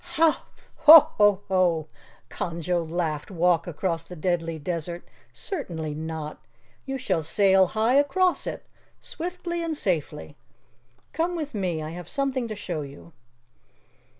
"Ha, ha ho, ho, ho!" Conjo laughed. "Walk across the Deadly Desert! Certainly not! He, he, he! You shall sail high across it swiftly and safely! Come with me! I have something to show you."